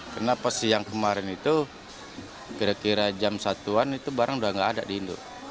karena pas siang kemarin itu kira kira jam satu an itu barang udah nggak ada di hindu